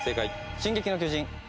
『進撃の巨人』。